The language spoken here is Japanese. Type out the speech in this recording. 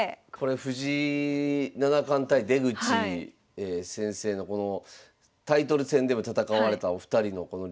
藤井七冠対出口先生のタイトル戦でも戦われたお二人のリベンジをね